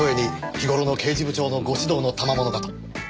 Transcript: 日頃の刑事部長のご指導のたまものかと。